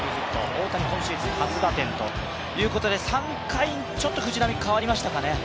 大谷今シーズン初打点ということで、３回にちょっと藤浪、変わりましたかね。